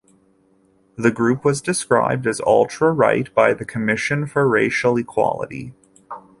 The group was described as "ultra-right" by the Commission for Racial Equality.